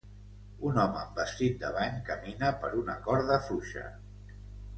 Un home amb vestit de bany camina per una corda fluixa.